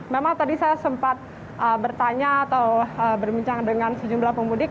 memang tadi saya sempat bertanya atau berbincang dengan sejumlah pemudik